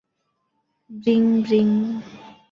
Bring, bring.